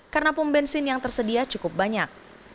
karena pembensin yang tersedia cukup banyak